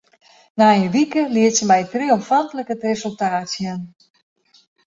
Nei in wike liet se my triomfantlik it resultaat sjen.